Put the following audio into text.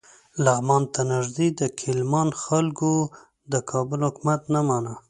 لغمان ته نږدې د کیلمان خلکو د کابل حکومت نه مانه.